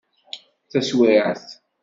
Taswiɛt.